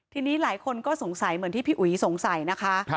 ทีนี้หลายคนก็สงสัยเหมือนที่พี่อุ๋ยสงสัยนะคะ